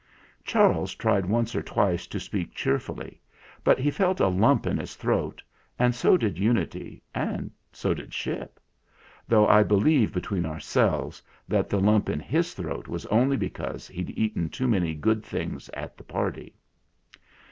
Charles tried once or twice to speak cheerfully, but he felt a lump in his throat, and so did Unity, and so did Ship; though I believe, between ourselves, that the lump in his throat was only because he'd eaten too many good things at the party.